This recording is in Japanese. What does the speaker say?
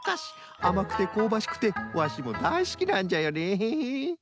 あまくてこうばしくてワシもだいすきなんじゃよね。